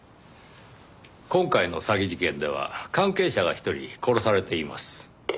今回の詐欺事件では関係者が１人殺されています。